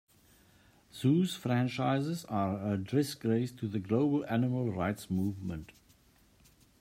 Zoos franchises are a disgrace to the global animal rights movement.